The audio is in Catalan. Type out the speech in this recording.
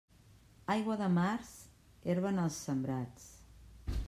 Aigua de març, herba en els sembrats.